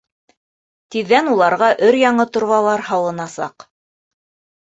Тиҙҙән уларға өр-яңы торбалар һалынасаҡ.